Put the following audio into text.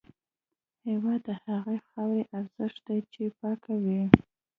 هېواد د هغې خاورې ارزښت دی چې پاکه وي.